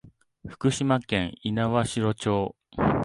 福島県猪苗代町